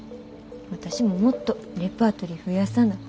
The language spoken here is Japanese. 私ももっとレパートリー増やさな。